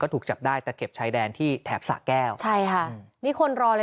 ถูกจับได้ตะเข็บชายแดนที่แถบสะแก้วใช่ค่ะนี่คนรอเลย